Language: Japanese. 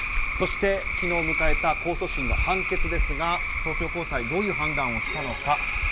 そして昨日迎えた控訴審の判決ですが東京高裁どういう判断をしたのか。